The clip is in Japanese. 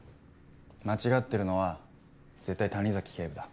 間違ってるのは絶対谷崎警部だ。